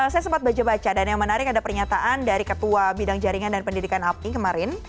saya sempat baca baca dan yang menarik ada pernyataan dari ketua bidang jaringan dan pendidikan apti kemarin